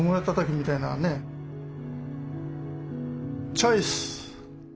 チョイス！